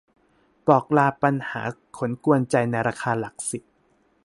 บอกลาปัญหาขนกวนใจในราคาหลักสิบ